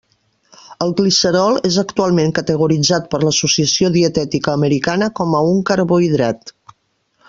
El glicerol és actualment categoritzat per l'Associació Dietètica Americana com a un carbohidrat.